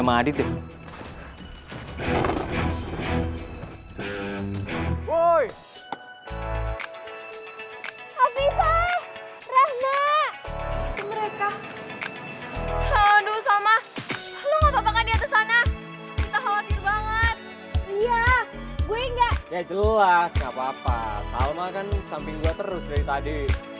mereka sama sama banget gue enggak jelas nggak papa papa terus dari tadi